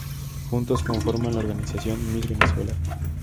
Juntos conforman la "Organización Miss Venezuela".